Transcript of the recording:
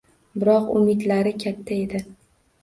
Biroq umidlari katta edi.